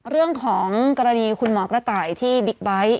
เรื่องของกรณีคุณหมอกระต่ายที่บิ๊กไบท์